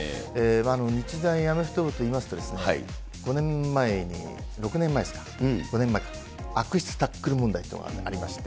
日大アメフト部といいますと、５年前に、６年前ですか、５年前か、悪質タックル問題というのがありまして。